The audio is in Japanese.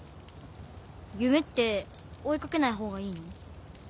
夢って追い掛けないほうがいいの？